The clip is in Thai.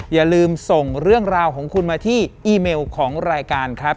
อย่าลืมส่งเรื่องราวของคุณมาที่อีเมลของรายการครับ